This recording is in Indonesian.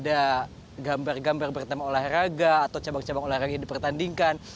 ada gambar gambar bertema olahraga atau cabang cabang olahraga dipertandingkan